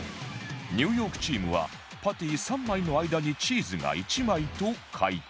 ニューヨークチームはパティ３枚の間にチーズが１枚と解答